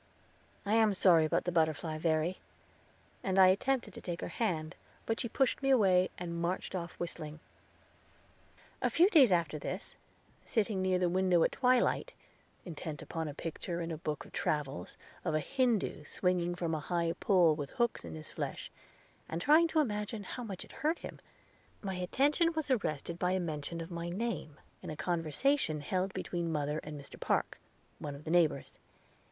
"I am sorry about the butterfly, Verry." And I attempted to take her hand, but she pushed me away, and marched off whistling. A few days after this, sitting near the window at twilight, intent upon a picture in a book of travels, of a Hindoo swinging from a high pole with hooks in his flesh, and trying to imagine how much it hurt him, my attention was arrested by a mention of my name in a conversation held between mother and Mr. Park, one of the neighbors.